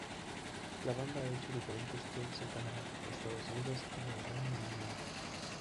La banda ha hecho diferentes tours en Canadá, Estados Unidos y el Reino Unido.